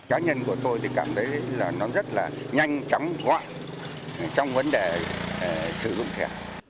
cá nhân của tôi thì cảm thấy là nó rất là nhanh chóng gọi trong vấn đề sử dụng thẻ